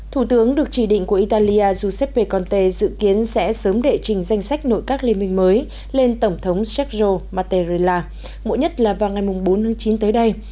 thủ tướng được chỉ định của italia giuseppe conte dự kiến sẽ sớm đệ trình danh sách nội các liên minh mới lên tổng thống sergio mattarella mỗi nhất là vào ngày bốn tháng chín tới đây